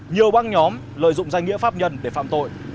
nhiều băng nhóm lợi dụng danh nghĩa pháp nhân để phạm tội